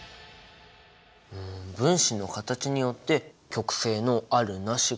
分子の形によって極性のあるなしが決まる。